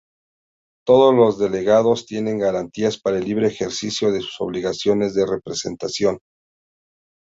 Todos los delegados tienen garantías para el libre ejercicio de sus obligaciones de representación.